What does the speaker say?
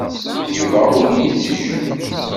Yuba ur iyi-ittejjem.